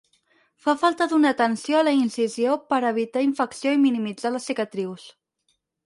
Fa falta donar atenció a la incisió per evitar infecció i minimitzar les cicatrius.